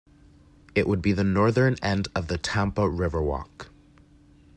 It would be the northern end of the Tampa Riverwalk.